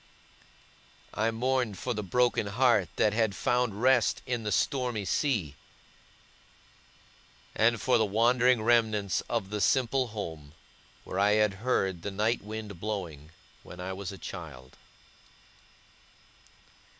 I mourned for the broken heart that had found rest in the stormy sea; and for the wandering remnants of the simple home, where I had heard the night wind blowing, when I was a child.